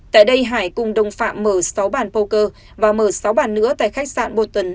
tại đây hải cùng đồng phạm mở sáu bàn poker và mở sáu bàn nữa tại khách sạn boton